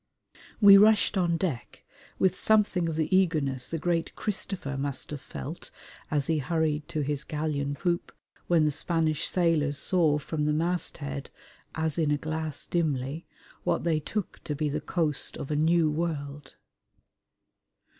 We rushed on deck with something of the eagerness the great Christopher must have felt as he hurried to his galleon poop when the Spanish sailors saw from the mast head, as in a glass dimly, what they took to be the coast of a New World.